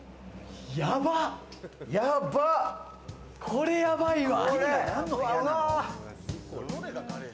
これやばいわ。